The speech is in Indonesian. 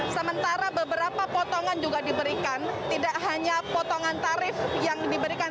sementara beberapa potongan juga diberikan tidak hanya potongan tarif yang diberikan